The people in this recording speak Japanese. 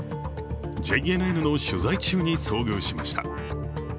ＪＮＮの取材中に遭遇しました。